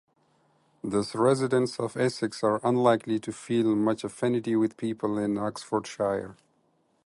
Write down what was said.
Thus, residents of Essex are unlikely to feel much affinity with people in Oxfordshire.